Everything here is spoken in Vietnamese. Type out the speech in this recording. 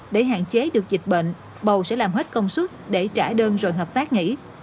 để hạn chế được dịch bệnh bầu sẽ làm hết công suất để trả đơn rồi hợp tác nghỉ